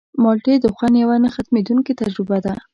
مالټې د خوند یوه نه ختمېدونکې تجربه ده.